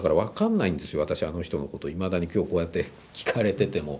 私あの人のこといまだに今日こうやって聞かれてても。